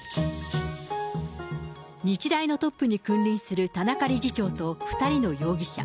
日大のトップに君臨する田中理事長と２人の容疑者。